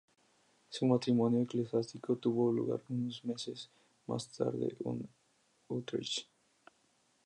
Su matrimonio eclesiástico tuvo lugar unos meses más tarde en Utrecht.